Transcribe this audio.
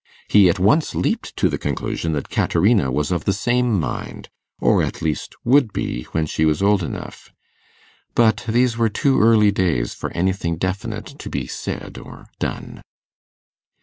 He at once leaped to the conclusion that Caterina was of the same mind, or at least would be, when she was old enough. But these were too early days for anything definite to be said or done.